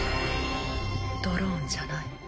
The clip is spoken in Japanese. ドローンじゃない。